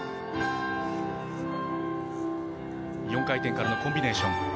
４回転からのコンビネーション。